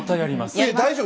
いや大丈夫？